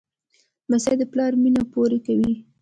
لمسی د پلار مینه پوره کوي.